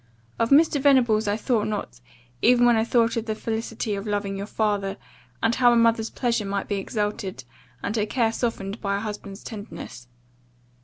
Of Mr. Venables I thought not, even when I thought of the felicity of loving your father, and how a mother's pleasure might be exalted, and her care softened by a husband's tenderness.